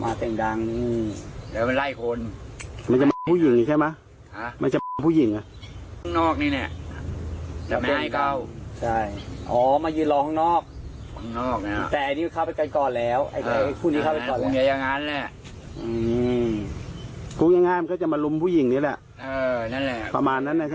วันนี้ก็จะมาลุมผู้หญิงนี้แหละเอ่อนั่นและประมาณนั้นเเหละใช่ไหม